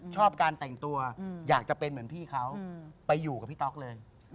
ชอบการแต่งตัวอยากจะเป็นเหมือนพี่เขาไปอยู่กับพี่ต๊อกเลย